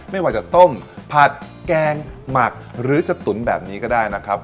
ไม่ว่าจะต้มผัดแกงหมักหรือจะตุ๋นแบบนี้ก็ได้นะครับ